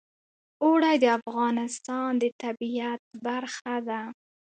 اوړي د افغانستان د طبیعت برخه ده.